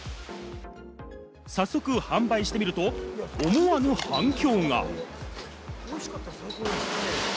早速販売してみると、思わぬ反響が。